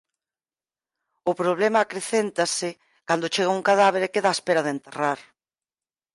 O problema acrecéntase cando chega un cadáver e queda á espera de enterrar.